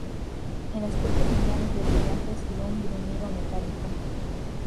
El aspecto final es de brillantes y un bruñido metálico.